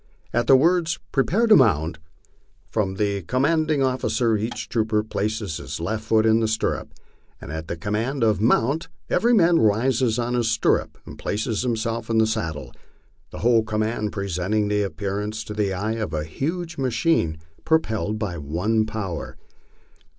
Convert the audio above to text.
At the words " Prepare to mount," from the command ing officer, each trooper places his left foot in the stirrup; and at the command " Mount," every man rises on his stirrup and places himself in his saddle, tho whole command presenting the appearance to the eye of a huge machine pro pelled by one power.